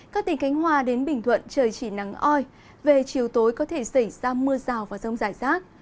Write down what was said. các tỉnh cánh hòa đến bình thuận trời chỉ nắng oi về chiều tối có thể xảy ra mưa rào và rông rải rác